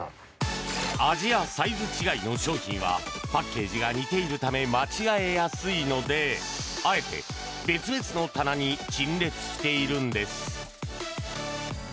味やサイズ違いの商品はパッケージが似ているため間違えやすいのであえて別々の棚に陳列しているんです。